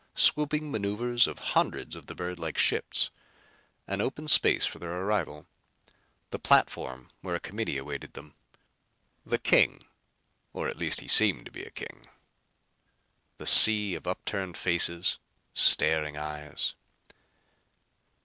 Swooping maneuvers of hundreds of the bird like ships. An open space for their arrival. The platform where a committee awaited them. The king, or at least he seemed to be king. The sea of upturned faces, staring eyes.